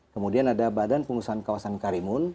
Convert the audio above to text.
kemudian ada badan pengusahaan kawasan karimun